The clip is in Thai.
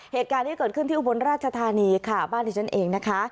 เหตุการณ์ที่เกิดขึ้นที่อุบลราชธานีค่ะบ้านที่ฉันเองนะคะ